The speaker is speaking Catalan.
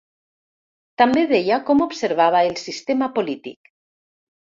També deia com observava el sistema polític.